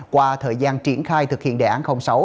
qua thời gian triển khai thực hiện đề án sáu